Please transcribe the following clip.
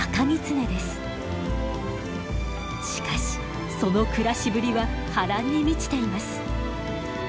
しかしその暮らしぶりは波乱に満ちています。